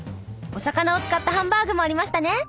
お魚を使ったハンバーグもありましたね。